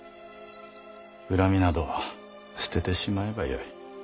恨みなど捨ててしまえばよい。